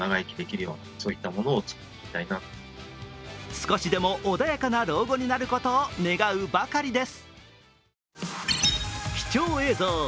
少しでも穏やかな老後になることを願うばかりです。